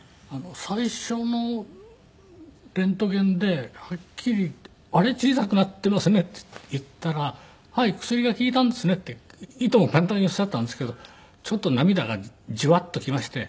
最初のレントゲンではっきり「あれ？小さくなっていますね」って言ったら「はい。薬が効いたんですね」っていとも簡単におっしゃったんですけどちょっと涙がじわっときまして。